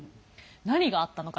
何があったのか